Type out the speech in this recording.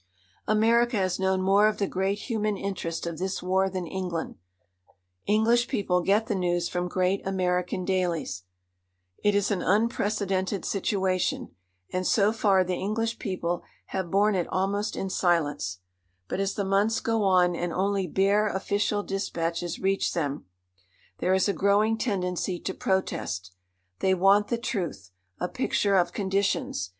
America has known more of the great human interest of this war than England. English people get the news from great American dailies. It is an unprecedented situation, and so far the English people have borne it almost in silence. But as the months go on and only bare official dispatches reach them, there is a growing tendency to protest. They want the truth, a picture of conditions.